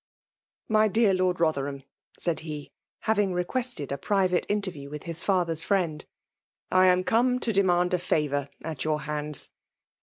'^' My dear Lord Botherbamr said he, having Mquested a privttte interview with his father's fti^d^^''^! am come to demand a favour ait j'tmr handn.